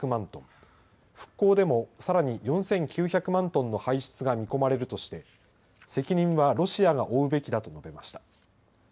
復興でも、さらに４９００万トンの排出が見込まれるとして責任はロシアが負うべきだと述べました。